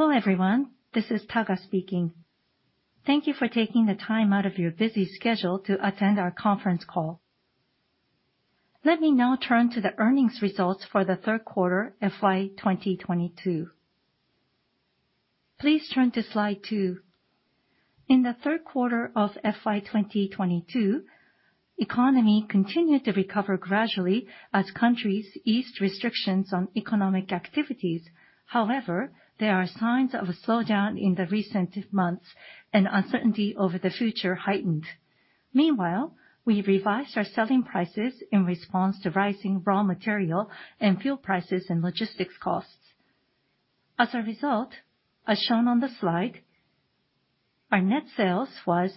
Hello, everyone. This is Taga speaking. Thank you for taking the time out of your busy schedule to attend our conference call. Let me now turn to the earnings results for the third quarter FY 2022. Please turn to slide 2. In the third quarter of FY 2022, economy continued to recover gradually as countries eased restrictions on economic activities. However, there are signs of a slowdown in the recent months and uncertainty over the future heightened. Meanwhile, we revised our selling prices in response to rising raw material and fuel prices and logistics costs. As a result, as shown on the slide, our net sales was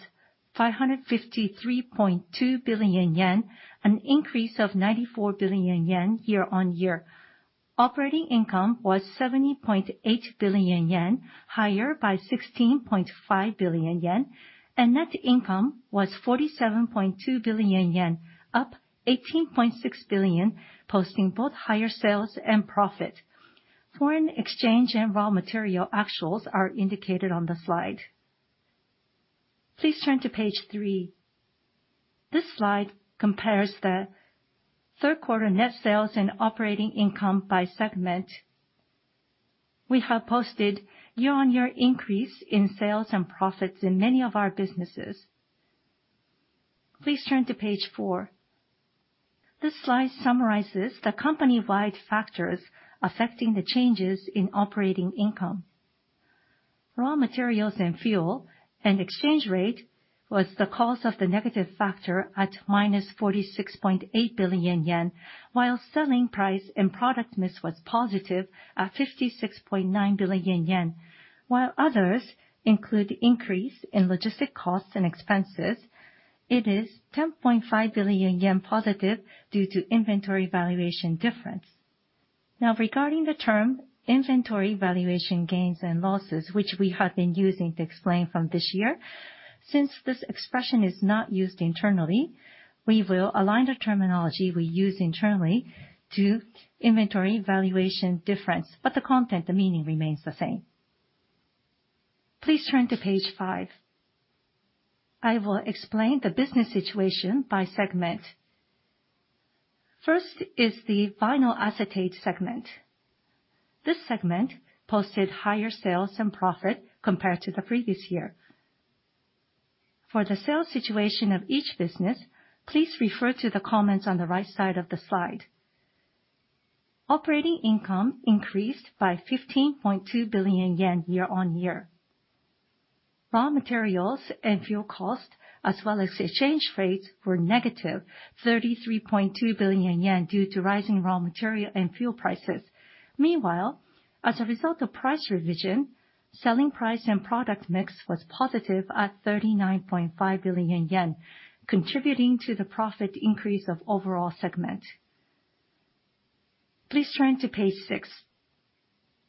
553.2 billion yen, an increase of 94 billion yen year-on-year. Operating income was 70.8 billion yen, higher by 16.5 billion yen. Net income was 47.2 billion yen, up 18.6 billion, posting both higher sales and profit. Foreign exchange and raw material actuals are indicated on the slide. Please turn to page 3. This slide compares the third quarter net sales and operating income by segment. We have posted year-on-year increase in sales and profits in many of our businesses. Please turn to page four. This slide summarizes the company-wide factors affecting the changes in operating income. Raw materials and fuel and exchange rate was the cause of the negative factor at -46.8 billion yen, while selling price and product mix was at +56.9 billion yen. While others include increase in logistics costs and expenses, it is +10.5 billion yen due to inventory valuation difference. Now, regarding the term inventory valuation gains and losses, which we have been using to explain from this year, since this expression is not used internally, we will align the terminology we use internally to inventory valuation difference, but the content, the meaning remains the same. Please turn to page 5. I will explain the business situation by segment. First is the vinyl acetate segment. This segment posted higher sales and profit compared to the previous year. For the sales situation of each business, please refer to the comments on the right side of the slide. Operating income increased by 15.2 billion yen year-on-year. Raw materials and fuel cost, as well as exchange rates, were -33.2 billion yen due to rising raw material and fuel prices. As a result of price revision, selling price and product mix was at +39.5 billion yen, contributing to the profit increase of overall segment. Please turn to page 6.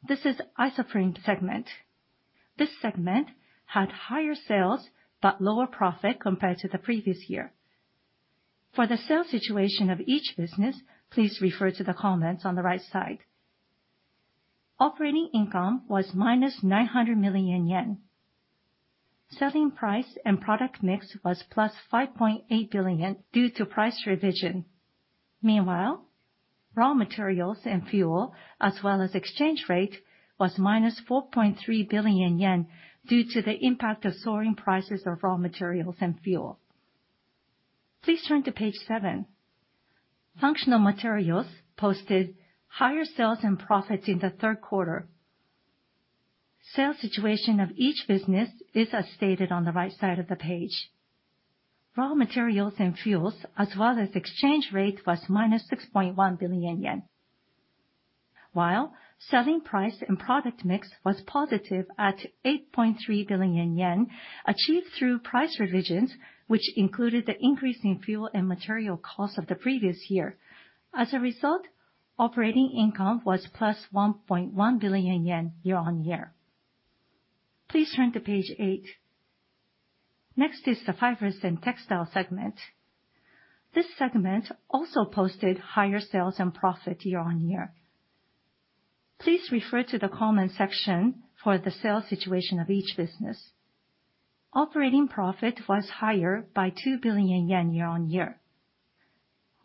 This is Isoprene segment. This segment had higher sales but lower profit compared to the previous year. For the sales situation of each business, please refer to the comments on the right side. Operating income was -900 million yen. Selling price and product mix was +5.8 billion due to price revision. Raw materials and fuel, as well as exchange rate, was -4.3 billion yen due to the impact of soaring prices of raw materials and fuel. Please turn to page 7. Functional Materials posted higher sales and profits in the third quarter. Sales situation of each business is as stated on the right side of the page. Raw materials and fuels, as well as exchange rate, was -6.1 billion yen. While selling price and product mix was at +8.3 billion yen, achieved through price revisions, which included the increase in fuel and material costs of the previous year. As a result, operating income was +1.1 billion yen year-on-year. Please turn to page 8. Next is the Fibers and Textiles segment. This segment also posted higher sales and profit year-on-year. Please refer to the comments section for the sales situation of each business. Operating profit was higher by 2 billion yen year-on-year.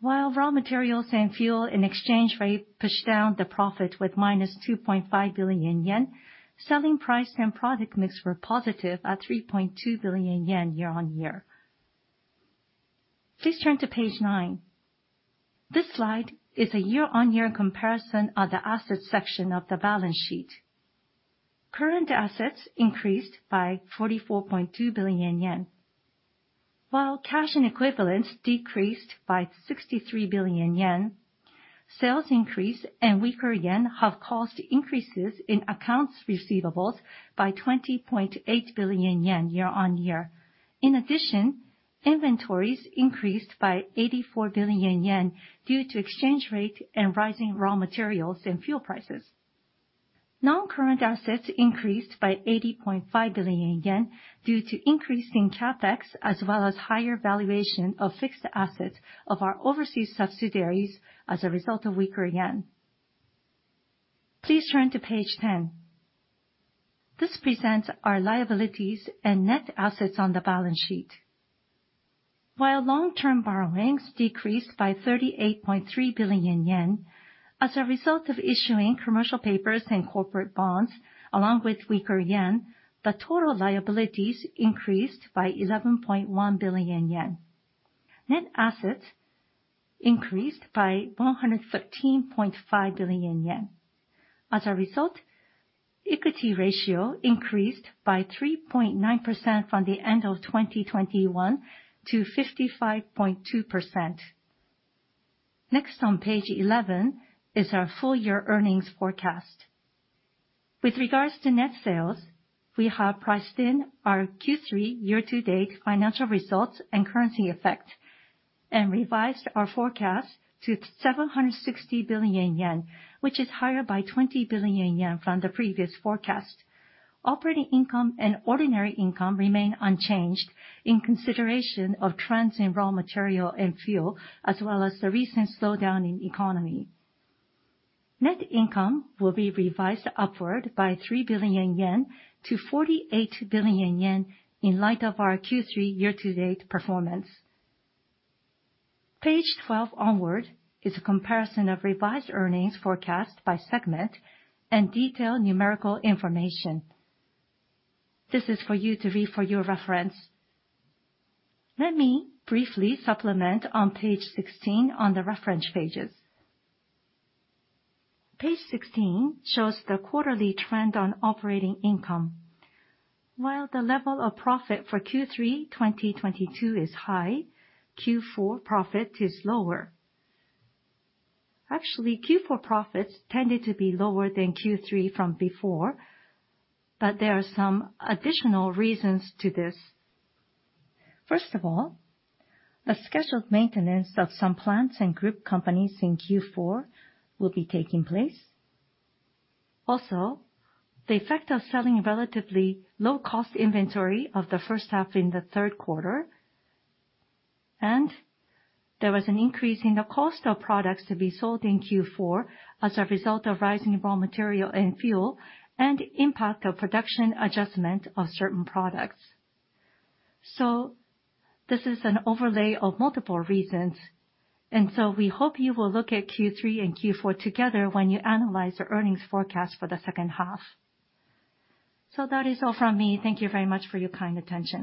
While raw materials and fuel and exchange rate pushed down the profit with -2.5 billion yen, selling price and product mix were at +3.2 billion yen year-on-year. Please turn to page 9. This slide is a year-on-year comparison of the assets section of the balance sheet. Current assets increased by 44.2 billion yen. While cash and equivalents decreased by 63 billion yen, sales increase and weaker yen have caused increases in accounts receivable by 20.8 billion yen year-on-year. In addition, inventories increased by 84 billion yen due to exchange rate and rising raw materials and fuel prices. Non-current assets increased by 80.5 billion yen due to increase in CapEx as well as higher valuation of fixed assets of our overseas subsidiaries as a result of weaker yen. Please turn to page 10. This presents our liabilities and net assets on the balance sheet. While long-term borrowings decreased by 38.3 billion yen, as a result of issuing commercial papers and corporate bonds, along with weaker yen, the total liabilities increased by 11.1 billion yen. Net assets increased by 113.5 billion yen. As a result, equity ratio increased by 3.9% from the end of 2021 to 55.2%. Next, on page 11, is our full year earnings forecast. With regards to net sales, we have priced in our Q3 year-to-date financial results and currency effect, and revised our forecast to 760 billion yen, which is higher by 20 billion yen from the previous forecast. Operating income and ordinary income remain unchanged in consideration of trends in raw material and fuel, as well as the recent slowdown in economy. Net income will be revised upward by 3 billion yen to 48 billion yen in light of our Q3 year-to-date performance. Page 12 onward is a comparison of revised earnings forecast by segment and detailed numerical information. This is for you to read for your reference. Let me briefly supplement on page 16 on the reference pages. Page 16 shows the quarterly trend on operating income. While the level of profit for Q3 2022 is high, Q4 profit is lower. Actually, Q4 profits tended to be lower than Q3 from before, but there are some additional reasons to this. First of all, the scheduled maintenance of some plants and group companies in Q4 will be taking place. Also, the effect of selling relatively low cost inventory of the first half in the third quarter, and there was an increase in the cost of products to be sold in Q4 as a result of rising raw material and fuel and impact of production adjustment of certain products. This is an overlay of multiple reasons, and so we hope you will look at Q3 and Q4 together when you analyze the earnings forecast for the second half. That is all from me. Thank you very much for your kind attention.